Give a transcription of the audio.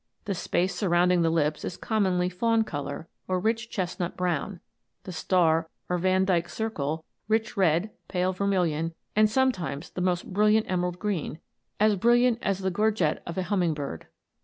The space surrounding the lips is commonly fawn colour or rich chesnut brown ; the star, or vandyked circle, rich red, pale vermilion, and sometimes the most brilliant emerald green, as brilliant as the gorget of a humming bird."